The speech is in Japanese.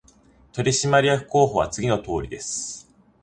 取締役候補者は次のとおりです